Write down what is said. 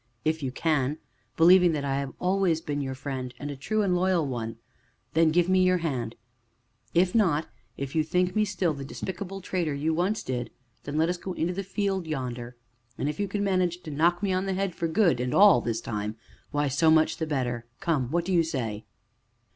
if you can, believing that I have always been your friend, and a true and loyal one, then, give me your hand; if not if you think me still the despicable traitor you once did, then, let us go into the field yonder, and if you can manage to knock me on the head for good and all this time why, so much the better. Come, what do you say?"